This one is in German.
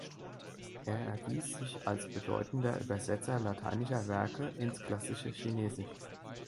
Er erwies sich als bedeutendeter Übersetzer lateinischer Werke ins klassische Chinesisch.